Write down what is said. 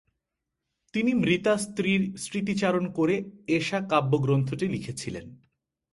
তিনি মৃতা স্ত্রীর স্মৃতিচারণ করে এষা কাব্যগ্রন্থটি লিখেছিলেন।